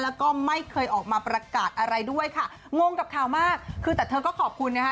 แล้วก็ไม่เคยออกมาประกาศอะไรด้วยค่ะงงกับข่าวมากคือแต่เธอก็ขอบคุณนะคะ